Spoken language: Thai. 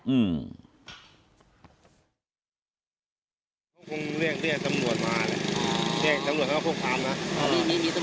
พวกเขาเรียกเรียกตำรวจมาเลยเรียกตำรวจเขาเข้าความนะ